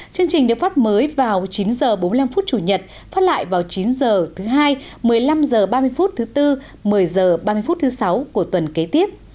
chương trình được phát mới vào chín h bốn mươi năm chủ nhật phát lại vào chín h thứ hai một mươi năm h ba mươi phút thứ bốn một mươi h ba mươi phút thứ sáu của tuần kế tiếp